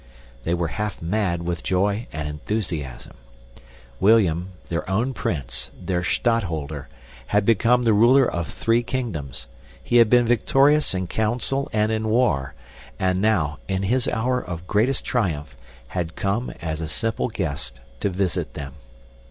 They were half mad with joy and enthusiasm. William, their own prince, their stadtholder, had become the ruler of three kingdoms; he had been victorious in council and in war, and now, in his hour of greatest triumph, had come as a simple guest to visit them.